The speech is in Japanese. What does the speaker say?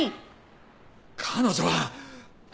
彼女は。